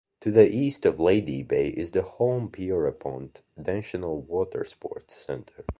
To the east of Lady Bay is the Holme Pierrepont National Watersports Centre.